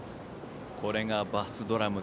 これがバスドラム。